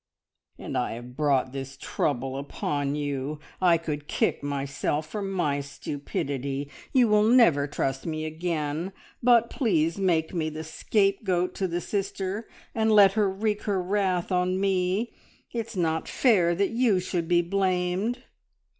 "And I have brought this trouble upon you! I could kick myself for my stupidity. You will never trust me again, but please make me the scapegoat to the sister, and let her wreak her wrath on me. It's not fair that you should be blamed."